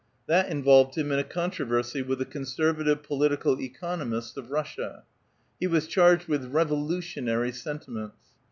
That involved him in a controversy with the conservative political economists of Russia. He was charged with revolutiouarj' sentiments.